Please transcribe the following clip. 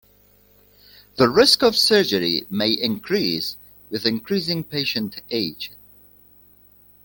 The risk of surgery may increase with increasing patient age.